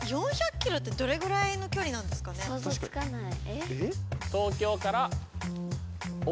想像つかない。